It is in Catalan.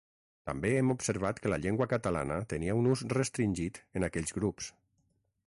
També hem observat que la llengua catalana tenia un ús restringit en aquells grups.